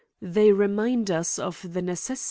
They remind us of the necessi